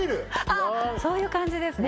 あっそういう感じですね